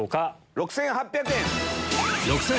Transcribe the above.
６８００円。